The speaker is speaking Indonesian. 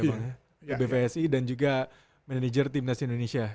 pbvsi dan juga manager timnas indonesia